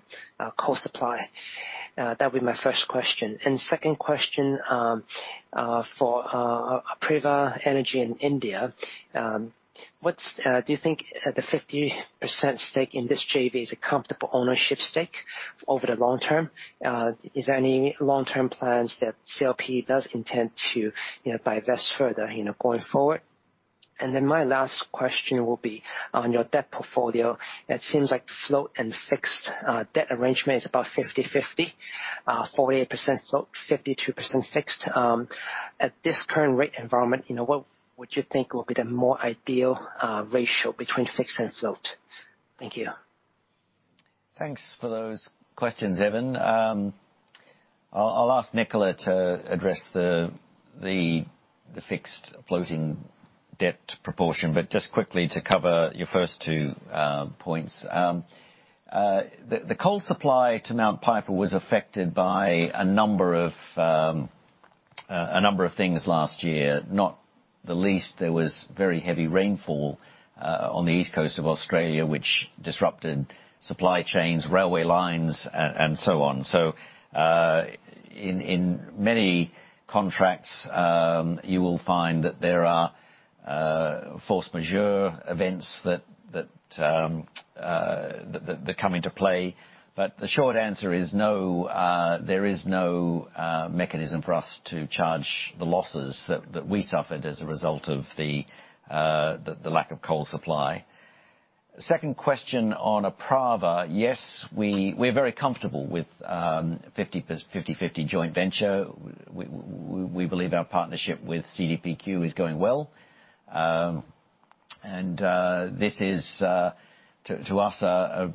coal supply? That'd be my first question. Second question, for Apraava Energy in India, do you think the 50% stake in this JV is a comfortable ownership stake over the long term? Is there any long-term plans that CLP does intend to, you know, divest further, you know, going forward? My last question will be on your debt portfolio. It seems like float and fixed debt arrangement is about 50/50. 48% float, 52% fixed. At this current rate environment, you know, what would you think will be the more ideal ratio between fixed and float? Thank you. Thanks for those questions, Evan. I'll ask Nicolas to address the fixed floating debt proportion, but just quickly to cover your first two points. The coal supply to Mount Piper was affected by a number of things last year, not the least, there was very heavy rainfall on the East Coast of Australia, which disrupted supply chains, railway lines, and so on. In many contracts, you will find that there are force majeure events that come into play. The short answer is no. There is no mechanism for us to charge the losses that we suffered as a result of the lack of coal supply. Second question on Apraava. Yes, we're very comfortable with 50/50 joint venture. We believe our partnership with CDPQ is going well. This is to us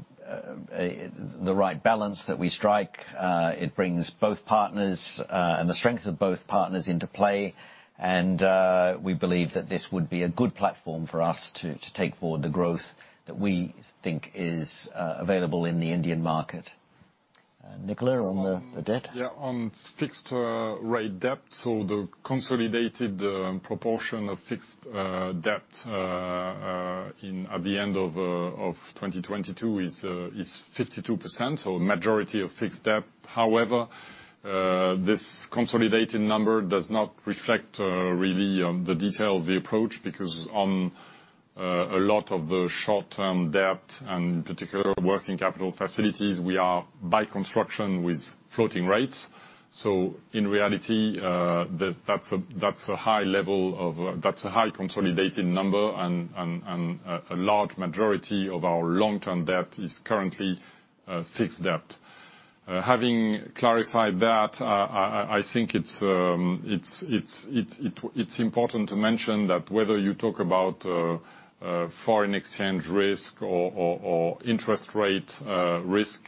the right balance that we strike. It brings both partners and the strengths of both partners into play. We believe that this would be a good platform for us to take forward the growth that we think is available in the Indian market. Nicolas, on the debt? Yeah. On fixed rate debt. The consolidated proportion of fixed debt in, at the end of 2022 is 52%, so majority of fixed debt. However, this consolidated number does not reflect really the detail of the approach because on a lot of the short-term debt, and in particular working capital facilities, we are by construction with floating rates. In reality, that's a, that's a high level of... That's a high consolidated number and, and, a large majority of our long-term debt is currently fixed debt. Having clarified that, I think it's important to mention that whether you talk about foreign exchange risk or interest rate risk,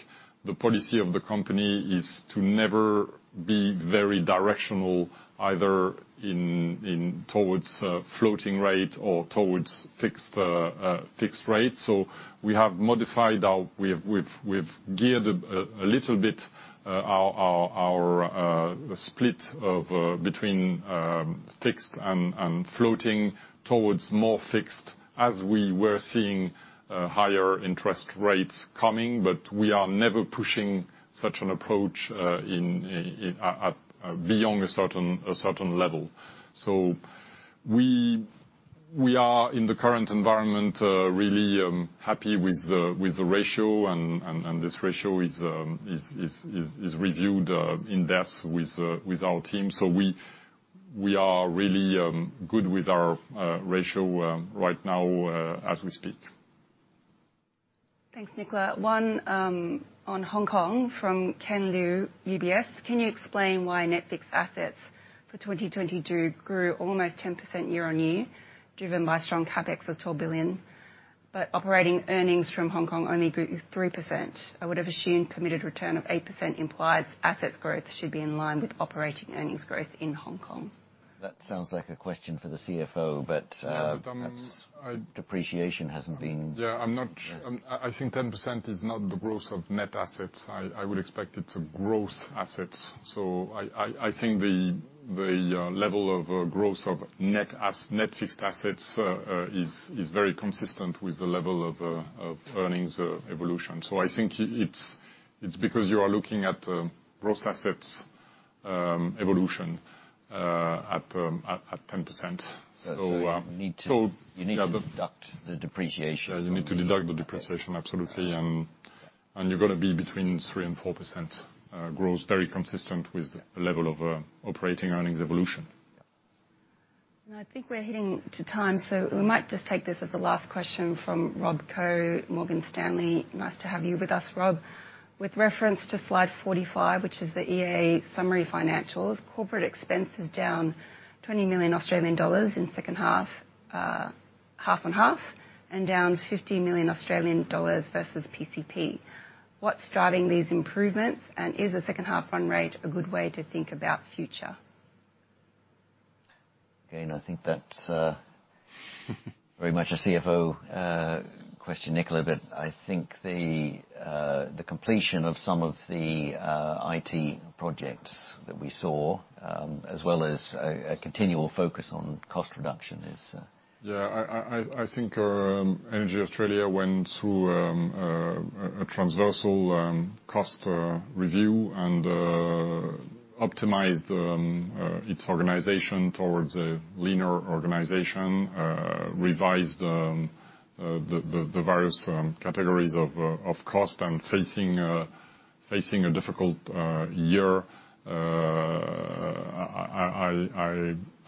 the policy of the company is to never be very directional, either towards a floating rate or towards fixed rates. We have modified our, we've geared a little bit our split of between fixed and floating towards more fixed as we were seeing higher interest rates coming. But we are never pushing such an approach beyond a certain level. We are, in the current environment, really happy with the ratio. This ratio is reviewed in-depth with our team. We are really good with our ratio right now as we speak. Thanks, Nicolas. One, on Hong Kong from Ken Liu, UBS. Can you explain why net fixed assets for 2022 grew almost 10% year-on-year driven by strong CapEx of HKD 12 billion, but operating earnings from Hong Kong only grew 3%? I would have assumed committed return of 8% implies assets growth should be in line with operating earnings growth in Hong Kong. That sounds like a question for the CFO, but- Yeah.... perhaps depreciation hasn't been. I'm not. I think 10% is not the growth of net assets. I would expect it to gross assets. I think the level of growth of net fixed assets is very consistent with the level of earnings evolution. I think it's because you are looking at gross assets evolution at 10%. You need to... So. You need to deduct the depreciation. Yeah, you need to deduct the depreciation, absolutely. You're gonna be between 3% and 4% growth, very consistent with the level of operating earnings evolution. I think we're hitting to time, so we might just take this as the last question from Rob Koh, Morgan Stanley. Nice to have you with us, Rob. With reference to slide 45, which is the EnergyAustralia summary financials, corporate expense is down 20 million Australian dollars in second half... half on half, and down 50 million Australian dollars versus PCP. What's driving these improvements? Is a second half run rate a good way to think about future? I think that's very much a CFO question, Nicolas. I think the completion of some of the IT projects that we saw, as well as a continual focus on cost reduction. Yeah. I think EnergyAustralia went through a transversal cost review and optimized its organization towards a leaner organization, revised the various categories of cost. Facing a difficult year,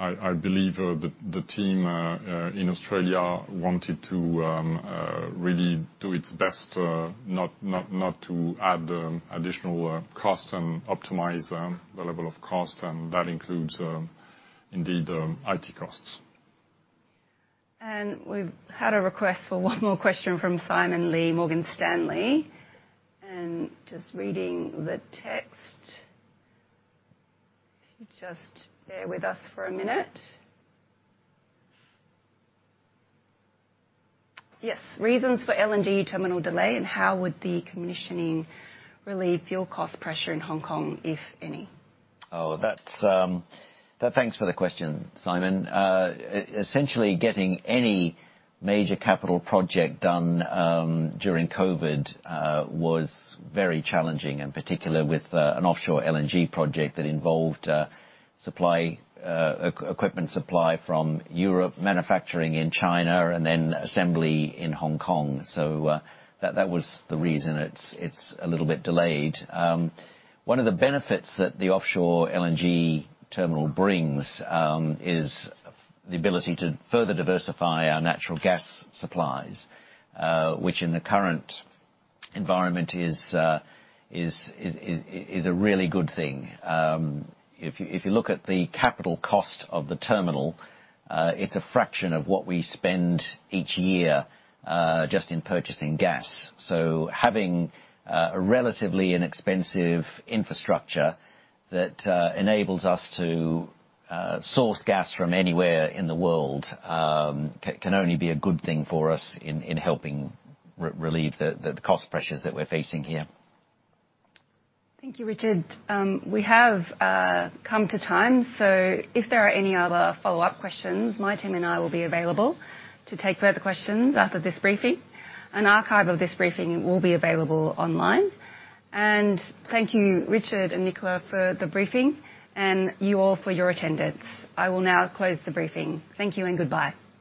I believe the team in Australia wanted to really do its best not to add additional cost and optimize the level of cost, and that includes indeed IT costs. We've had a request for one more question from Simon Lee, Morgan Stanley. Just reading the text. If you just bear with us for a minute. Yes. Reasons for LNG terminal delay, and how would the commissioning relieve fuel cost pressure in Hong Kong, if any? Thanks for the question, Simon. Essentially getting any major capital project done during COVID was very challenging, in particular with an offshore LNG project that involved supply, equipment supply from Europe, manufacturing in China, and then assembly in Hong Kong. That was the reason it's a little bit delayed. One of the benefits that the offshore LNG terminal brings is the ability to further diversify our natural gas supplies, which in the current environment is a really good thing. If you look at the capital cost of the terminal, it's a fraction of what we spend each year just in purchasing gas. Having a relatively inexpensive infrastructure that enables us to source gas from anywhere in the world, can only be a good thing for us in helping relieve the cost pressures that we're facing here. Thank you, Richard. We have come to time, so if there are any other follow-up questions, my team and I will be available to take further questions after this briefing. An archive of this briefing will be available online. Thank you, Richard and Nicolas for the briefing and you all for your attendance. I will now close the briefing. Thank you and goodbye.